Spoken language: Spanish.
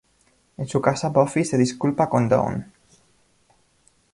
En su casa Buffy se disculpa con Dawn.